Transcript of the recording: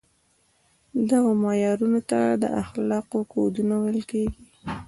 دغو معیارونو ته د اخلاقو کودونه ویل کیږي.